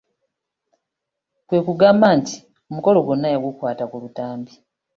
Kwekugamba nti omukolo gwonna yagukwata ku lutambi.